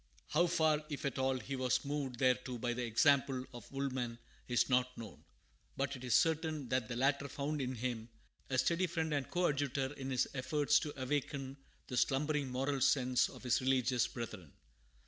How far, if at all, he was moved thereto by the example of Woolman is not known, but it is certain that the latter found in him a steady friend and coadjutor in his efforts to awaken the slumbering moral sense of his religious brethren.